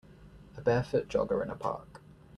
A barefoot jogger in a park.